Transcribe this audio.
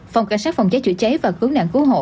phòng cảnh sát phòng cháy chữa cháy và cứu nạn cứu hộ